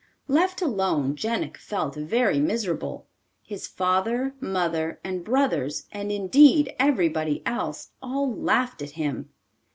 Left alone, Jenik felt very miserable. His father, mother, and brothers, and, indeed, everybody else, all laughed at him.